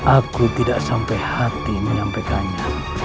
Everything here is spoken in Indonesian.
aku tidak sampai hati menyampaikannya